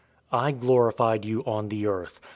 017:004 I glorified you on the earth.